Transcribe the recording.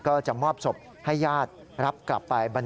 ก็จะมอบศพให้ญาติรับกลับไป